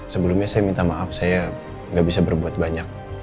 sebelumnya saya minta maaf saya nggak bisa berbuat banyak